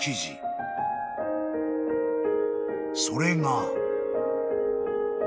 ［それが］